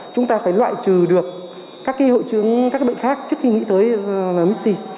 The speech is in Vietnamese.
chúng ta phải loại trừ được các bệnh khác trước khi nghĩ tới mixi